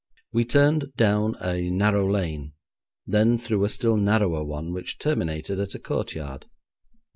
We turned down a narrow lane, then through a still narrower one, which terminated at a courtyard.